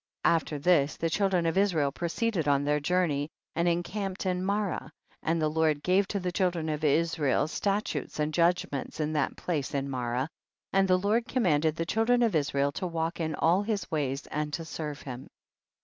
45. After this the children of Is rael proceeded on their journey, and encamped in Marah, and the Lord gave to the children of Israel statutes and judgments in that place in Marah, and the Lord commanded the chil dren of Israel to walk in all his ways and to serve him.